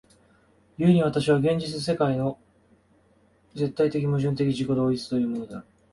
故に私は現実の世界は絶対矛盾的自己同一というのである。